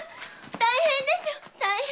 大変ですよ大変！